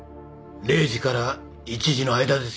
０時から１時の間ですよ。